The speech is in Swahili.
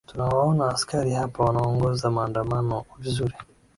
tunawaona askari hapa wanaongoza maandamano vizuri